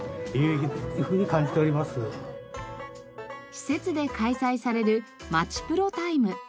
施設で開催されるまちプロタイム。